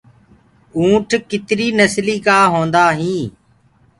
اونَٺا ڪتري نسلي ڪو هوندآ هين